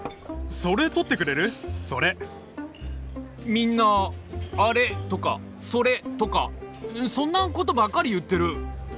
みんなアレとかソレとかそんなことばっかり言っている。